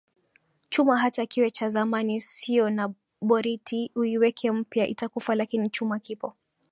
Chuma hata kiwe cha zamani sio na boriti uiweke mpya itakufa lakini chuma kipo